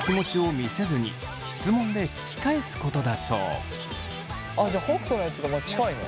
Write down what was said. おすすめはあっじゃあ北斗のやつが近いね。